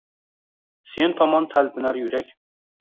Sen tomon talpinar yurak